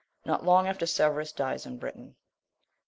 Not long after Severus dies in Britain.